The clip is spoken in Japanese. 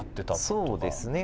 そうですね。